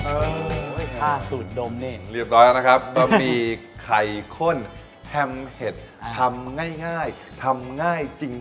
เอ่ออัข่าสูตรดมนี่รีบต้อยน่ะครับก็มีไข่ข้นแฮมเห็ดทำง่ายจริง